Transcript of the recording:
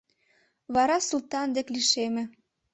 Вара Султан дек лишеме.